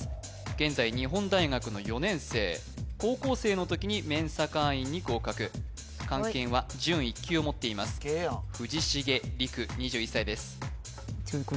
現在日本大学の４年生高校生の時にＭＥＮＳＡ会員に合格漢検は準１級を持っています藤重吏玖２１歳です